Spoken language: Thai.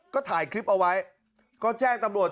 ก็ถ่ายคลิปเอาไว้ก็แจ้งตำรวจ